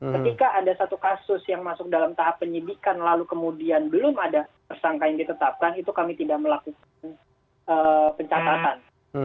ketika ada satu kasus yang masuk dalam tahap penyidikan lalu kemudian belum ada tersangka yang ditetapkan itu kami tidak melakukan pencatatan